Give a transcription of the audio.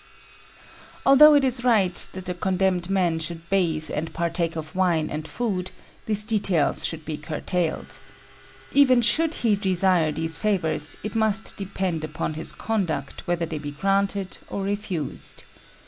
] Although it is right that the condemned man should bathe and partake of wine and food, these details should be curtailed. Even should he desire these favours, it must depend upon his conduct whether they be granted or refused.